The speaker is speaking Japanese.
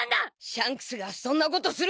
「シャンクスがそんなことするか。